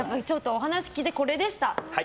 お話聞いてこれでした。